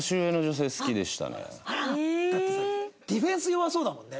あら！だってさディフェンス弱そうだもんね。